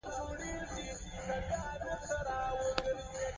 د وزن او پیمانې خیال ساتئ.